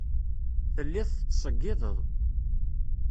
Telliḍ tettṣeyyideḍ.